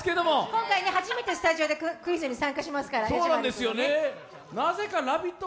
今回初めて、スタジオでクイズに参加しますから・なぜか「ラヴィット！」